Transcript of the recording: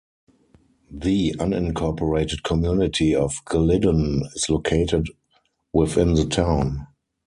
The unincorporated community of Glidden is located within the town.